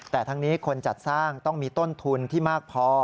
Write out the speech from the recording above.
แต่ทั้งนี้คนจัดสร้างต้องมีต้นทุนที่มากพอ